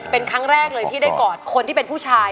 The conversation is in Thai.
เป็นครั้งแรกเลยที่ได้กอดคนที่เป็นผู้ชาย